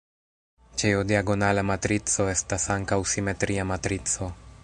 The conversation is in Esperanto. Ĉiu diagonala matrico estas ankaŭ simetria matrico.